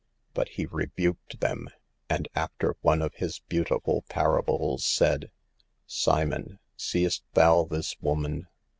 But He rebuked them, and, after one of His beautiful parables, said: " Simon, seest thou this woman?